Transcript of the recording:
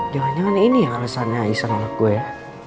jangan jangan ini yang alesannya aisyah nolak gue ya